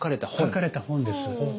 書かれた本です。